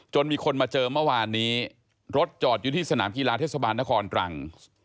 มีคนมาเจอเมื่อวานนี้รถจอดอยู่ที่สนามกีฬาเทศบาลนครตรัง